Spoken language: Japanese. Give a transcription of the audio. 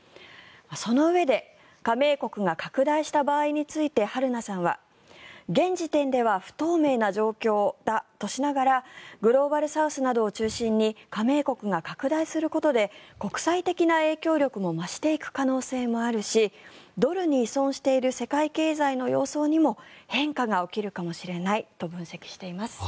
そのうえで加盟国が拡大した場合について春名さんは現時点では不透明な状況だとしながらグローバルサウスなどを中心に加盟国が拡大することで国際的な影響力も増していく可能性もあるしドルに依存している世界経済の様相にも変化が起きるかもしれないと分析しています。